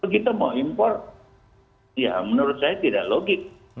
kita mau impor ya menurut saya tidak logik